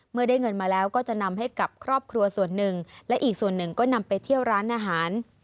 เมื่อได้เงินมาแล้วก็จะนำให้กับครอบครัวส่วนหนึ่งและอีกส่วนหนึ่งก็นำไปเที่ยวร้านอาหาร